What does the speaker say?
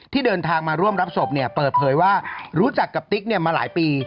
เดินทางมาร่วมรับศพเปิดเผยว่ารู้จักกับติ๊กมาหลายปี